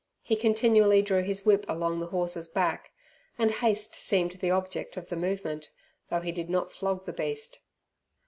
He continually drew his whip along the horse's back, and haste seemed the object of the movement, though he did not flog the beast.